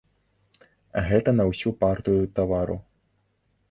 Гэта на ўсю партыю тавару.